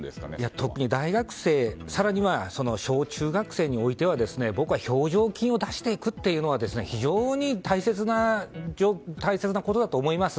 特に大学生更に、小中学生においては僕は表情筋を出していくのは非常に大切なことだと思います。